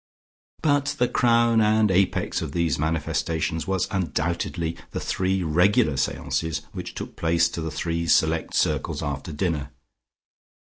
But the crown and apex of these manifestations was undoubtedly the three regular seances which took place to the three select circles after dinner.